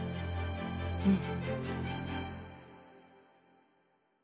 うん。